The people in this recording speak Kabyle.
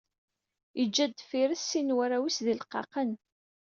Yeǧǧa-d deffir-s sin warraw-is d ileqqaqen.